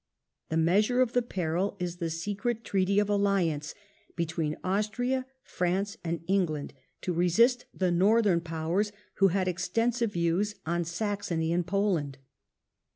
The measure of the peril is the secret treaty of alliance between Austria^ France, and England, to resist the Northern Powers who had extensive views on Saxony and Poland.